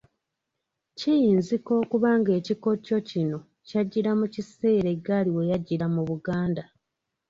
Kiyinzika okuba ng'ekikokyo kino kyajjira mu kiseera eggaali we yajjira mu Buganda.